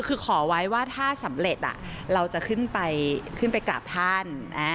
คือขอไว้ว่าถ้าสำเร็จเราจะขึ้นไปขึ้นไปกราบท่าน